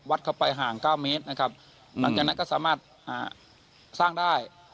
เข้าไปห่างเก้าเมตรนะครับหลังจากนั้นก็สามารถสร้างได้